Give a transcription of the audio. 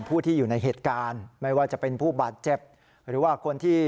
ผู้ที่อยู่ในเหตุการณ์ไม่ว่าจะเป็นผู้บาดเจ็บหรือว่าคนที่